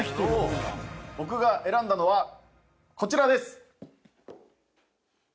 僕が選んだのはこちらです。